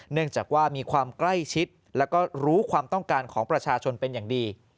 เนื่องจากว่ามีความใกล้ชิดแล้วก็รู้ความต้องการของประชาชนเป็นอย่างดี